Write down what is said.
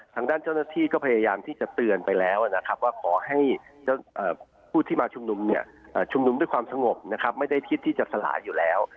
ทางด้านเจ้าหน้าที่ก็พยายามที่จะเตือนไปแล้วนะครับว่าขอให้ผู้ที่มาชุมนุมเนี่ยชุมนุมด้วยความสงบนะครับไม่ได้คิดที่จะสลายอยู่แล้ว